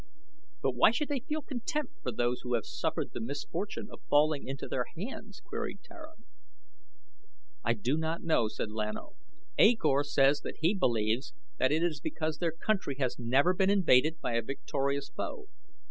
"But why should they feel contempt for those who have suffered the misfortune of falling into their hands?" queried Tara. "I do not know," said Lan O; "A Kor says that he believes that it is because their country has never been invaded by a victorious foe.